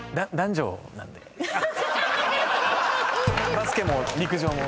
「バスケ」も「陸上」も。